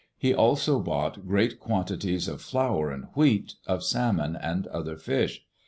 He also bought great quantities of flour and wheat, of salmon and other fish.